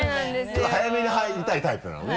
ちょっと早めに入りたいタイプなのね。